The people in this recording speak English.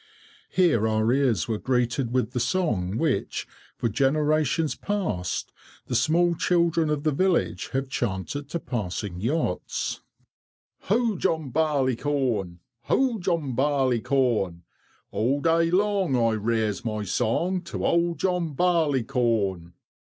Here our ears were greeted with the song which, for generations past, the small children of the village have chanted to passing yachts— "Ho! John Barleycorn: Ho! John Barleycorn, All day long I raise my song To old John Barleycorn."